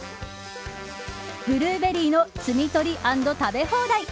ブルーベリーの摘み取りアンド、食べ放題。